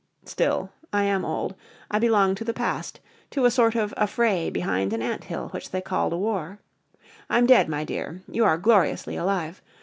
"Still I am old, I belong to the past to a sort of affray behind an ant hill which they called a war. I'm dead, my dear, you are gloriously alive.